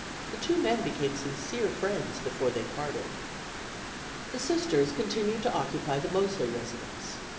The two men became sincere friends before they parted. The Sisters continued to occupy the Mosely residence.